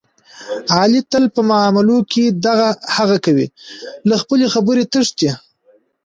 علي تل په معاملو کې دغه هغه کوي، له خپلې خبرې تښتي.